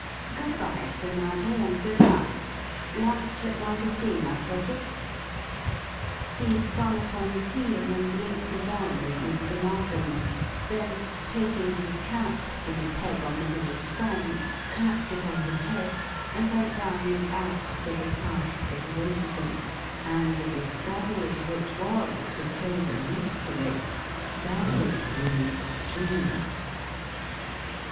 Good bye, Sir Nigel, and good luck. Lunch at one fifteen, I take it?" He swung upon his heel and linked his arm with Mr. Narkom's, then, taking his cap from a peg on the hall stand, clapped it on his head and went down and out to the task that awaited him, and a discovery which was, to say the least of it, startling in the extreme.